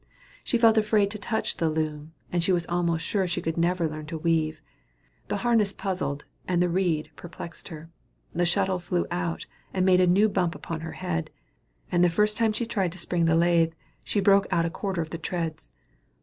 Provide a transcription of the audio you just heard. She felt afraid to touch the loom, and she was almost sure that she could never learn to weave; the harness puzzled and the reed perplexed her; the shuttle flew out, and made a new bump upon her head; and the first time she tried to spring the lathe, she broke out a quarter of the treads.